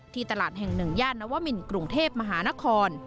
ตลาดแห่งหนึ่งย่านนวมินกรุงเทพมหานคร